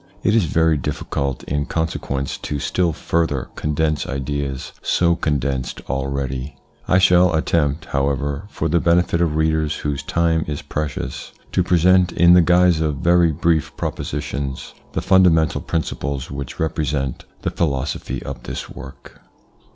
It is very difficult in consequence to still further condense ideas so condensed already. I shall attempt, how ever, for the benefit of readers whose time is precious, to present in the guise of very brief propositions the fundamental principles which represent the philosophy of this work.